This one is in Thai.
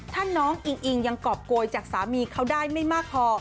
ถ้าน้องอิงอิงยังกรอบโกยจากสามีเขาได้ไม่มากพอ